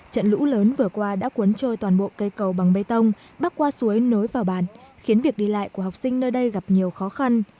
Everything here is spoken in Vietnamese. trận lũ lớn vừa qua đã cuốn trôi toàn bộ cây cầu bằng bê tông bắc qua suối nối vào bàn khiến việc đi lại của học sinh nơi đây gặp nhiều khó khăn